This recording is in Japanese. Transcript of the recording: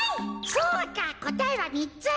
そうかこたえはみっつ！